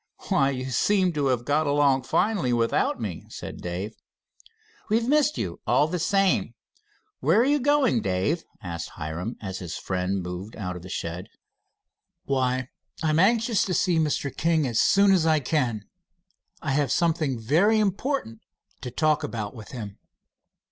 "Why, you seem to have got along finely without me," said Dave. "We've missed you, all the same. Where you going, Dave?" asked Hiram, as his friend moved out of the shed. "Why, I'm anxious to see Mr. King as soon as I can. I have something very important to talk about with him."